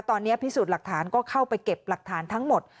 ตอนนี้พิสูจน์หลักฐานก็เข้าไปเก็บหลักฐานทั้งหมด